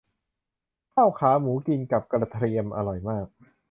ข้าวขาหมูกินกับกระเทียมอร่อยมาก